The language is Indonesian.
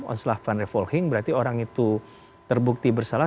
onslaught and revolving berarti orang itu terbukti bersalah